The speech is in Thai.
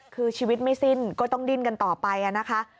คือชีวิตไม่สิ้นก็ต้องดิ้นกันต่อไปนะคะ